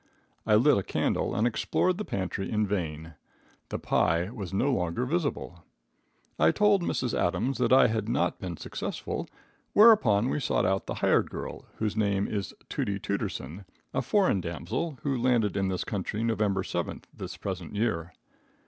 I lit a candle and explored the pantry in vain. The pie was no longer visible. I told Mrs. Adams that I had not been successful, whereupon we sought out the hired girl, whose name is Tootie Tooterson, a foreign damsel, who landed in this country Nov. 7, this present year.